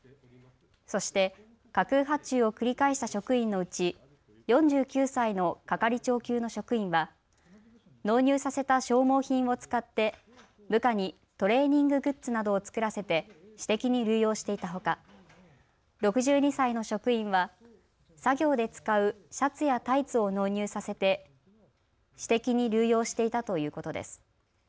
そして架空発注を繰り返した職員のうち４９歳の係長級の職員は納入させた消耗品を使って部下にトレーニンググッズなどを作らせて私的に流用していたほか６２歳の職員は作業で使うシャツやタイツを納入させて私的に流用していたということです。